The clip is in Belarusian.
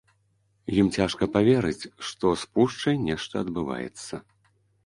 Ім цяжка паверыць, што з пушчай нешта адбываецца.